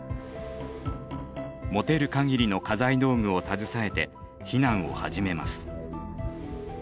持てる限りの家財道具を携えて避難を始めます。